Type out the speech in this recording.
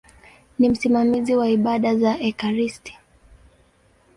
Ni msimamizi wa ibada za ekaristi.